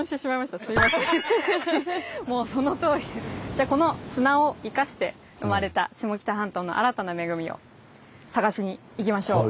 じゃこの砂をいかして生まれた下北半島の新たな恵みを探しに行きましょう。